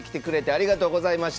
ありがとうございます。